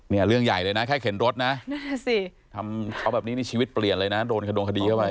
เนี่ยเรื่องใหญ่เลยนะแค่เข็นรถนะทำเค้าแบบนี้ชีวิตเปลี่ยนเลยนะโด่งคดีเข้าไป